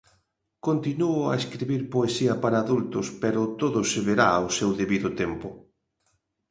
Continúo a escribir poesía para adultos, pero todo se verá ao seu debido tempo.